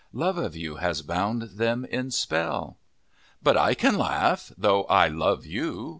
Love of you has bound them in spell." "But I can laugh, though I love you.